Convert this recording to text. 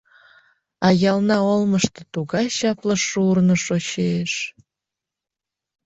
А ялна олмышто тугай чапле шурно шочеш...